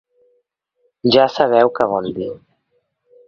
Ja sabeu què vol dir.